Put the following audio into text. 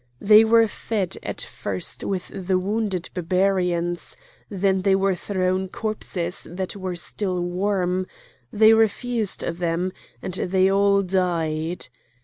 They were fed at first with the wounded Barbarians; then they were thrown corpses that were still warm; they refused them, and they all died.